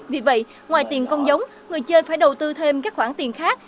vì vậy ngoài tiền con giống người chơi phải đầu tư thêm các khoản tiền khác